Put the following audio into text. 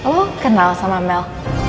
lo kenal sama mel